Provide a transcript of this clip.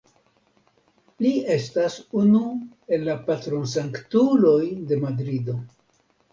Li estas unu el la patronsanktuloj de Madrido.